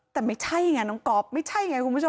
แต่ไม่ใช่ไงน้องก๊อฟไม่ใช่ไงคุณผู้ชม